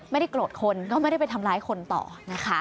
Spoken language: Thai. ไม่ได้โกรธคนก็ไม่ได้ไปทำร้ายคนต่อนะคะ